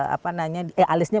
apa namanya eh alisnya